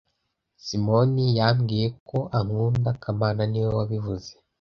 Simoni yambwiye ko ankunda kamana niwe wabivuze